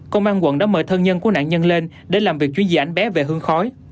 công an quận đã mời thân nhân của nạn nhân lên để làm việc chuyên gia anh bé về hương khói